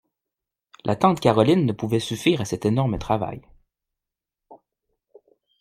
La tante Caroline ne pouvait suffire à cet énorme travail.